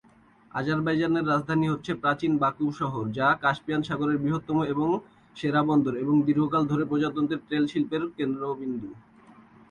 আজারবাইজানের রাজধানী হচ্ছে প্রাচীন বাকু শহর, যা ক্যাস্পিয়ান সাগরের বৃহত্তম এবং সেরা বন্দর এবং দীর্ঘকাল ধরে প্রজাতন্ত্রের তেল শিল্পের কেন্দ্রবিন্দু।